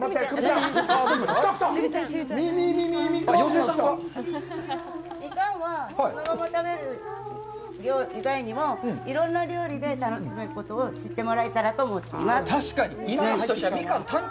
ミカンはそのまま食べる以外にもいろんな料理で楽しめることを知ってもらえたらと思っています。